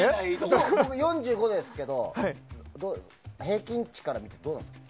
僕、４５ですから平均値からするとどうですか？